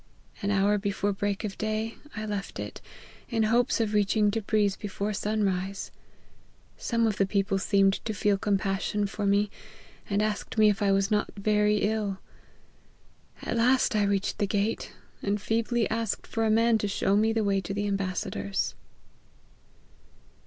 An hour before break of day I left it, in hopes of reaching Tebriz before sun rise. Some of the people seemed to feel compassion for me, and asked me if I was not very ill. At last I reached the gate, and feebly asked for a man to show me the way to the am oassador's."